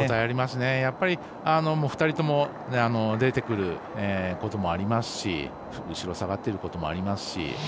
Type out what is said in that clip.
やっぱり２人とも出てくることもありますし後ろ下がってくることもありますし。